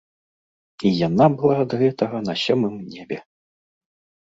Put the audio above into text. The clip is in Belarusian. І яна была ад гэтага на сёмым небе.